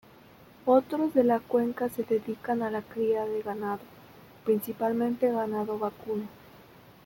Otros de la cuenca se dedican a la cría de ganado, principalmente ganado vacuno.